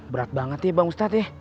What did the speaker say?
berat banget ya bang ustad